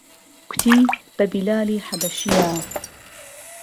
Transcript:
کوتی به بیلالی حهبهشییه